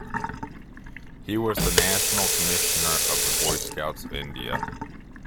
He was the National Commissioner of the Boy Scouts of India.